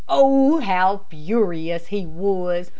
Oh, how furious he was!